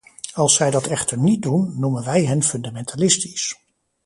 Als zij dat echter niet doen, noemen wij hen fundamentalistisch.